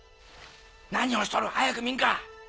何をしとる早く見んか！